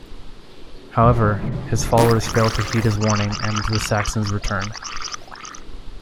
However, his followers fail to heed his warning and the Saxons return.